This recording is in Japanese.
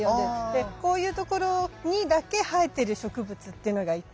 でこういう所にだけ生えてる植物ってのがいて。